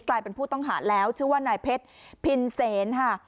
กลายเป็นผู้ต้องหาแล้วชื่อว่านายเพชรพินเซนค่ะ